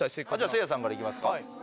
せいやさんから行きますか。